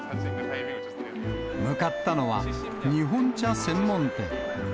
向かったのは、日本茶専門店。